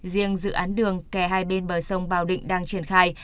riêng dự án đường kè hai bên bờ sông bào định đang triển khai